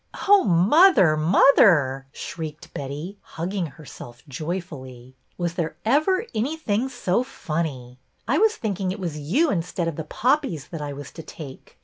" Oh, mother, mother !" shrieked Betty, hug ging herself joyfully. '' Was there ever anything so funny? I was thinking it was you instead of the poppies that I was to take.